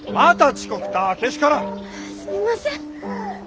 すみません。